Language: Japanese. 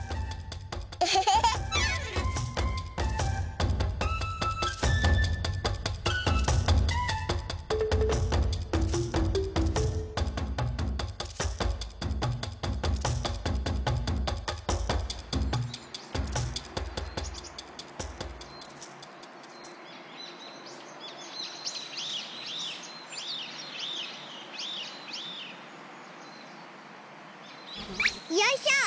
エヘヘヘ。よいしょ！